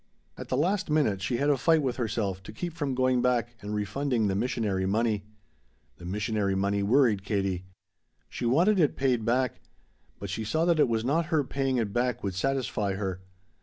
At the last minute she had a fight with herself to keep from going back and refunding the missionary money! The missionary money worried Katie. She wanted it paid back. But she saw that it was not her paying it back would satisfy her.